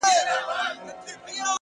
ه په سندرو کي دي مينه را ښودلې-